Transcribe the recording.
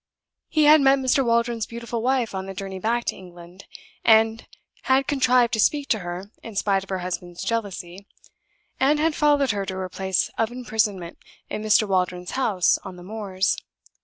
He had met Mr. Waldron's beautiful wife on the journey back to England; had contrived to speak to her in spite of her husband's jealousy; and had followed her to her place of imprisonment in Mr. Waldron's house on the moors.